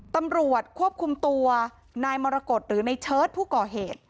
ตำรวจควบคุมตัวนายมรกฏหรือในเชิดผู้ก่อเหตุ